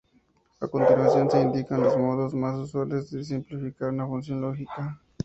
A continuación se indican los modos más usuales de simplificar una función lógica.